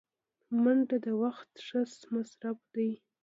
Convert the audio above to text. منډه د وخت ښه مصرف دی